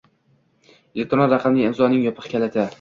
elektron raqamli imzoning yopiq kaliti